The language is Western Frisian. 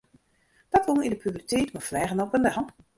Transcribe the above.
Dat gong yn de puberteit mei fleagen op en del.